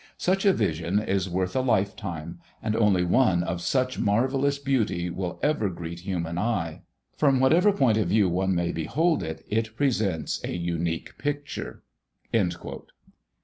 Such a vision is worth a lifetime, and only one of such marvelous beauty will ever greet human eye. From whatever point of view one may behold it, it presents a unique picture." [Illustration: The Head of Yellowstone Lake.